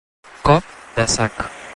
Cop de sac.